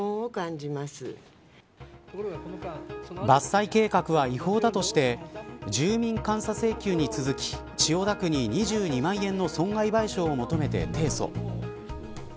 伐採計画は違法だとして住民監査請求に続き千代田区に２２万円の損害賠償を求めて提訴。